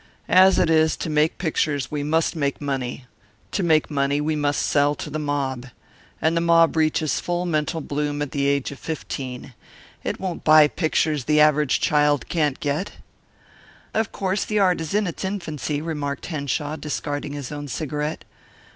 As it is, to make pictures we must make money. To make money we must sell to the mob. And the mob reaches full mental bloom at the age of fifteen. It won't buy pictures the average child can't get." "Of course the art is in its infancy," remarked Henshaw, discarding his own cigarette.